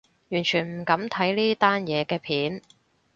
完全唔敢睇呢單嘢嘅片